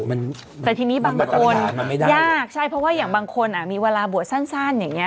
แต่ทีนี้บางคนไม่ได้ยากใช่เพราะว่าอย่างบางคนมีเวลาบวชสั้นอย่างนี้